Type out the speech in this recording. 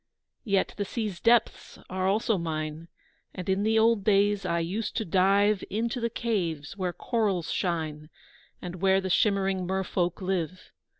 Yet the sea's depths are also mine, And in the old days I used to dive Into the caves, where corals shine And where the shimmering mer folk live.